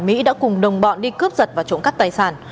mỹ đã cùng đồng bọn đi cướp giật và trộm cắp tài sản